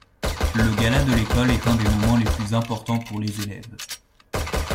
Le Gala de l'école est un des moments les plus importants pour les élèves.